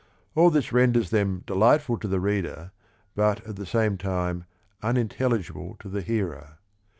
All this renders them delightful to the reader but, at the same time, unintelligible to the hearer.